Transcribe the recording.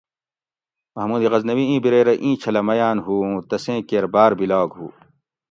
محمود غزنوی ایں بیرے رہ ایں چھلہ میاۤن ھو اوُں تسیں کیر باۤر بیلاگ ہُو